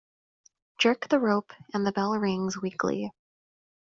Jerk the rope and the bell rings weakly.